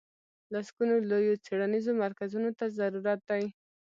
لسګونو لویو څېړنیزو مرکزونو ته ضرورت دی.